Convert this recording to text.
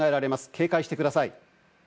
警戒してください。